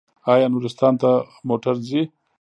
آیا نورستان ته موټر ځي؟